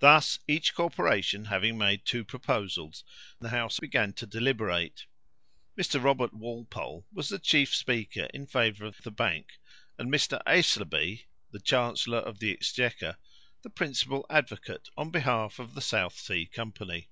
Thus, each corporation having made two proposals, the house began to deliberate. Mr. Robert Walpole was the chief speaker in favour of the bank, and Mr. Aislabie, the Chancellor of the Exchequer, the principal advocate on behalf of the South Sea Company.